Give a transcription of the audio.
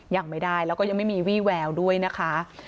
ยังไม่ได้แล้วก็ยังไม่มีวี่แววด้วยนะคะ